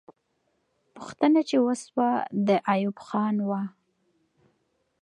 پوښتنه چې وسوه، د ایوب خان وه.